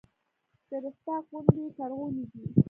د رستاق غونډۍ زرغونې دي